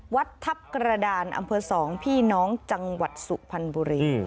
วัดทัพกระดานอำเภอ๒พี่น้องจังหวัดสุพรรณบุรี